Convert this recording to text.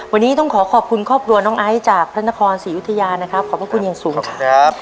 วันนี้ต้องขอขอบคุณครอบครัวน้องไอซ์จากพระนครศรียุธยานะครับขอบพระคุณอย่างสูงครับ